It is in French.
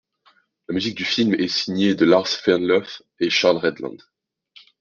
La musique du film est signée de Lars Färnlöf et Charles Redland.